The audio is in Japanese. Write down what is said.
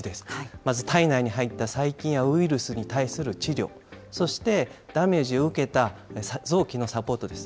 まず体内に入った細菌やウイルスに対する治療、そしてダメージを受けた臓器のサポートです。